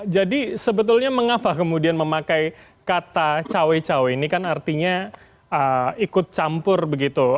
jadi sebetulnya mengapa kemudian memakai kata cawe cawe ini kan artinya ikut campur begitu